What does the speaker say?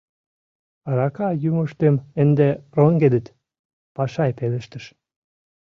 — Арака йӱымыштым ынде роҥгедыт, — Пашай пелештыш.